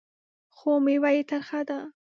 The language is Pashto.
خو مېوه یې ترخه ده .